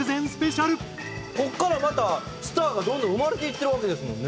ここからまたスターがどんどん生まれていってるわけですもんね。